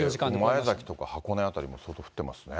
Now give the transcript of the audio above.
御前崎とか箱根辺りも相当降ってますね。